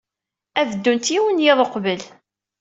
Ad ddunt yiwen n yiḍ uqbel.